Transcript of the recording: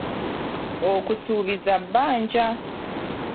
Okusuubiza bbanja.